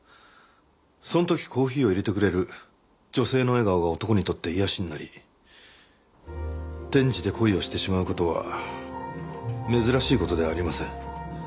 その時コーヒーをいれてくれる女性の笑顔が男にとって癒やしになり転じて恋をしてしまう事は珍しい事ではありません。